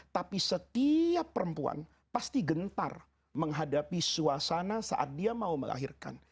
tapi setiap perempuan pasti gentar menghadapi suasana saat dia mau melahirkan